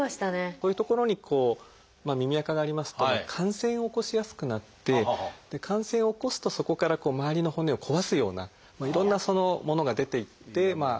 こういう所にこう耳あかがありますと感染を起こしやすくなって感染を起こすとそこから周りの骨を壊すようないろんなものが出て行って怖いんです。